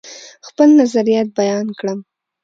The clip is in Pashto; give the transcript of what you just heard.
خپل نظریات بیان کړم.